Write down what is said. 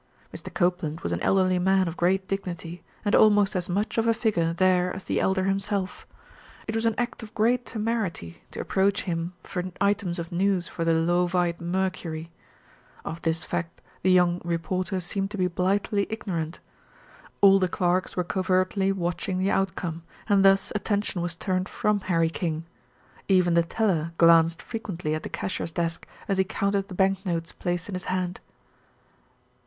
Mr. Copeland was an elderly man of great dignity, and almost as much of a figure there as the Elder himself. It was an act of great temerity to approach him for items of news for the Leauvite Mercury. Of this fact the young reporter seemed to be blithely ignorant. All the clerks were covertly watching the outcome, and thus attention was turned from Harry King; even the teller glanced frequently at the cashier's desk as he counted the bank notes placed in his hand.